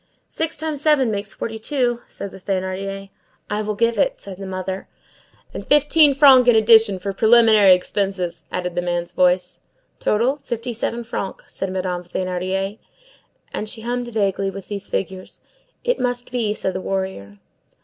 "Six times seven makes forty two," said the Thénardier. "I will give it," said the mother. "And fifteen francs in addition for preliminary expenses," added the man's voice. "Total, fifty seven francs," said Madame Thénardier. And she hummed vaguely, with these figures:— "It must be, said a warrior."